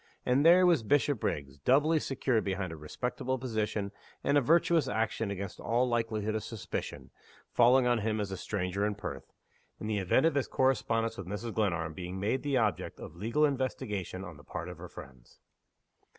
And there was Bishopriggs, doubly secured behind a respectable position and a virtuous action against all likelihood of suspicion falling on him as a stranger in Perth in the event of his correspondence with Mrs. Glenarm being made the object of legal investigation on the part of her friends!